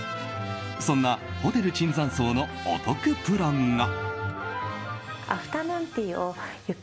そんなホテル椿山荘のお得プランが。